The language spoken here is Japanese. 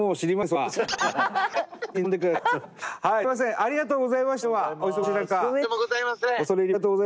はいすみませんありがとうございました。